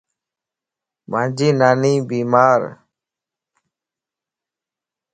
مانجي ناني بيمارَ